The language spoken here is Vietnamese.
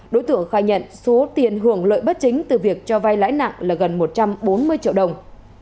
đối tượng khai nhận số tiền hưởng lợi bất chính từ việc cho vai lãi nặng là gần một trăm bốn mươi triệu đồng